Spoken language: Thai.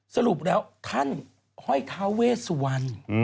สรุปเอาท่านห้อยเทาเวสวรรณ